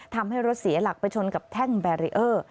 ทำให้รถเสียหลักไปชนกับแท่งแบรีเออร์